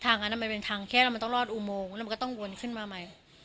อันนั้นมันเป็นทางแค่แล้วมันต้องรอดอุโมงแล้วมันก็ต้องวนขึ้นมาใหม่